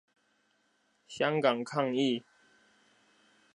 香港抗議